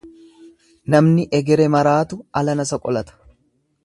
Namni egere maraatu alana soqolata.